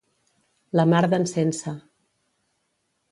La mar d'en Sense.